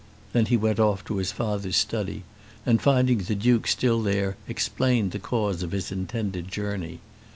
Then he went off to his father's study, and finding the Duke still there explained the cause of his intended journey.